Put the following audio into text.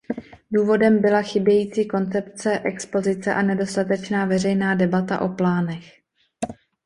Důvodem byla chybějící koncepce expozice a nedostatečná veřejná debata o plánech.